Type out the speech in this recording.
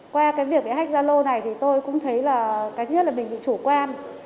qua cái việc hách gia lô này thì tôi cũng thấy là cái thứ nhất là mình bị chủ quan